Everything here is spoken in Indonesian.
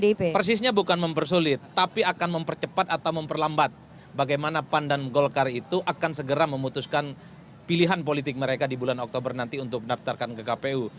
persisnya bukan mempersulit tapi akan mempercepat atau memperlambat bagaimana pan dan golkar itu akan segera memutuskan pilihan politik mereka di bulan oktober nanti untuk mendaftarkan ke kpu